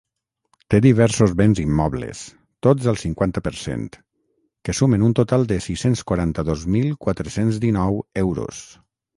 Té diversos béns immobles, tots al cinquanta per cent, que sumen un total de sis-cents quaranta-dos mil quatre-cents dinou euros.